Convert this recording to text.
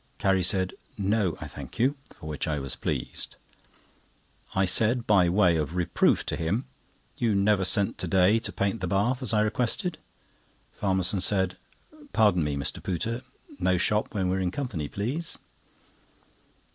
Carrie said: "No, I thank you," for which I was pleased. I said, by way of reproof to him: "You never sent to day to paint the bath, as I requested." Farmerson said: "Pardon me, Mr. Pooter, no shop when we're in company, please."